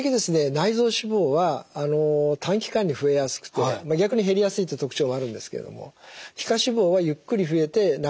内臓脂肪は短期間に増えやすくて逆に減りやすいって特徴もあるんですけれども皮下脂肪はゆっくり増えてなかなか減りにくい。